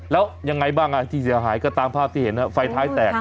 แล้วยังไงบ้างที่เสียหายก็ตามภาพที่เห็นไฟท้ายแตก